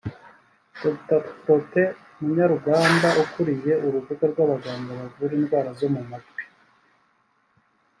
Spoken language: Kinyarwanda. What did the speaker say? Dr Protais Munyarugamba ukuriye Urugaga rw’Abaganga Bavura Indwara zo mu matwi